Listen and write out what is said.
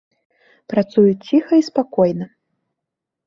Працуюць ціха і спакойна.